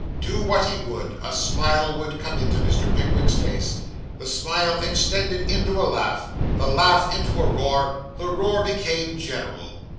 Do what he would, a smile would come into Mr. Pickwick's face; the smile extended into a laugh; the laugh into a roar; the roar became general.